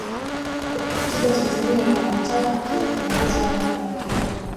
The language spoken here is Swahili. katiba ya tanzania inamtaka kila kiongozi awe na familia